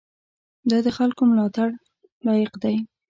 دا د خلکو ملاتړ لایق دی.